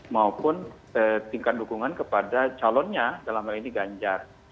maupun tingkat dukungan kepada calonnya dalam hal ini ganjar